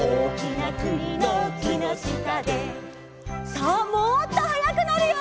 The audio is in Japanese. さあもっとはやくなるよ。